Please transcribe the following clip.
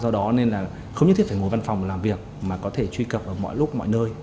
do đó nên là không nhất thiết phải ngồi văn phòng làm việc mà có thể truy cập ở mọi lúc mọi nơi